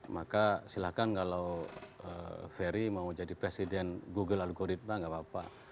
maka silahkan kalau ferry mau jadi presiden google algoritma gak apa apa